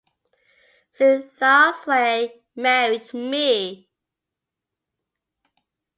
Soon Thaw Sway married Mi.